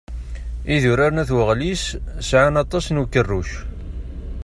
Idurar n At Weɣlis sɛan aṭas n ukerruc.